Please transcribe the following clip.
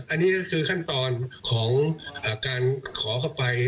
อันนี้ก็คือขั้นตอนของการขอเข้าไป